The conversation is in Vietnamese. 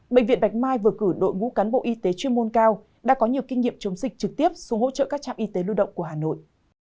bệnh viện bạch mai vừa cử đội ngũ cán bộ y tế chuyên môn cao đã có nhiều kinh nghiệm chống dịch trực tiếp xuống hỗ trợ các trạm y tế lưu động của hà nội